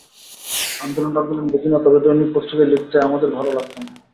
আন্দোলন-টান্দোলন বুঝি না, তবে দৈনিক পত্রিকায় লিখতে আমাদের ভালো লাগত না।